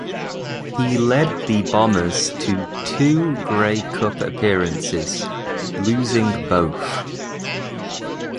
He led the Bombers to two Grey Cup appearances, losing both.